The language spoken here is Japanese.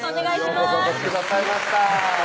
ようこそお越しくださいました